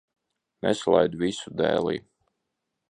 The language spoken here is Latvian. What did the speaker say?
Nesalaid visu dēlī.